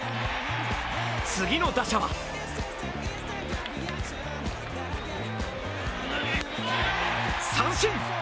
次の打者は三振！